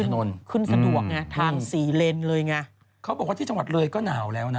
ต้นหอมกับตุ๊กกี้เป็นเจ้าสองเจ้าอะไรนะ